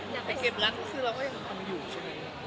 อยากไปเก็บรักษ์คือเราก็ยังมีความอยู่ใช่ไหมครับ